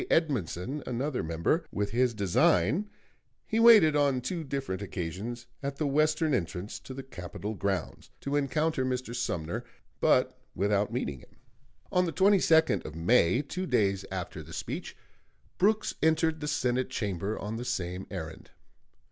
Edmundson, another member, with his design, he waited on two different occasions at the western entrance to the Capitol grounds to encounter Mr. Sumner, but without meeting him. 1856. On the 22d of May, two days after the speech, Brooks entered the Senate Chamber on the same errand.